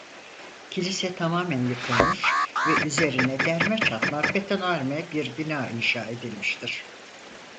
Kilise tamamen yıkılmış ve üzerine derme çatma betonarme bir bina inşa edilmiştir.